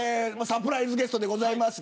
サプライズゲストです。